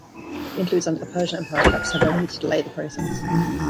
The interludes under the Persian Empire perhaps served only to delay the process.